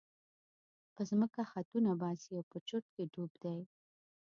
په ځمکه خطونه باسي او په چورت کې ډوب دی.